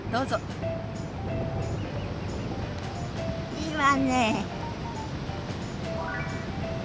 いいわね。